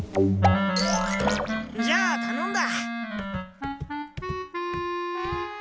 じゃあたのんだ。